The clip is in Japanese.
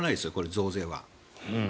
増税は。